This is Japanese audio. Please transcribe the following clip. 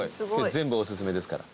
全部お薦めですから。